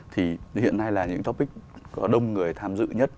thì hiện nay là những topic có đông người tham dự nhất